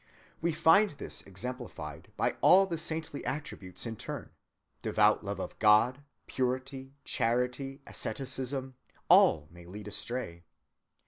We find this exemplified by all the saintly attributes in turn—devout love of God, purity, charity, asceticism, all may lead astray.